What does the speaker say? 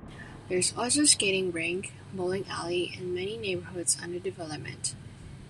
There is also a skating rink, bowling alley and many neighborhoods under development.